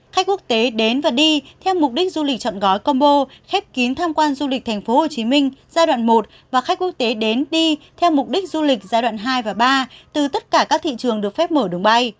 khách quốc tế đến và đi theo mục đích du lịch chọn gói combo khép kín tham quan du lịch tp hcm giai đoạn một và khách quốc tế đến đi theo mục đích du lịch giai đoạn hai và ba từ tất cả các thị trường được phép mở đường bay